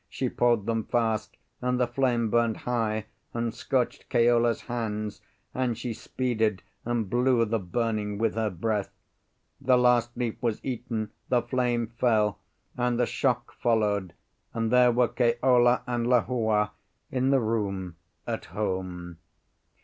She poured them fast, and the flame burned high, and scorched Keola's hands; and she speeded and blew the burning with her breath. The last leaf was eaten, the flame fell, and the shock followed, and there were Keola and Lehua in the room at home.